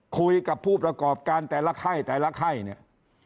ผู้ประกอบการแต่ละไข้แต่ละไข้เนี่ย